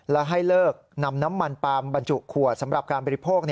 และให้เลิกนำน้ำมันปาล์มบรรจุขวดสำหรับการบริโภค